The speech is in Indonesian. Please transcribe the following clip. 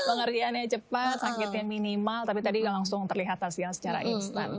pengertiannya cepat sakitnya minimal tapi tadi nggak langsung terlihat hasilnya secara instan